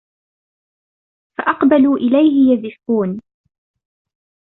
فأقبلوا إليه يزفون